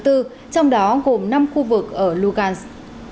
trong đó gồm năm khu vực ở lugansk